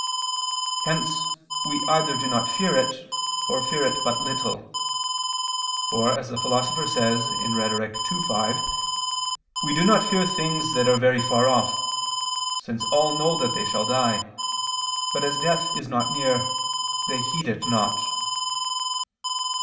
Hence we either do not fear it, or fear it but little; for, as the Philosopher says (Rhet. ii, 5), "we do not fear things that are very far off; since all know that they shall die, but as death is not near, they heed it not."